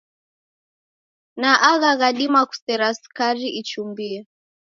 Na agha ghadima kusera sukari ichumbie.